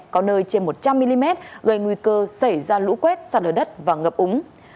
có nơi trên một trăm linh mm gây nguy cơ xảy ra lũ quét sạt ở đất và ngập úng